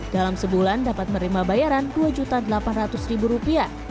dalam sebulan dapat merima bayaran dua delapan ratus rupiah